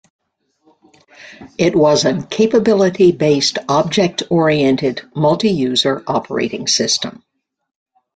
It was an capability-based object-oriented multi-user operating system.